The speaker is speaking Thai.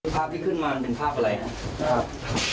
ภาพที่ขึ้นมามันเป็นภาพอะไรครับ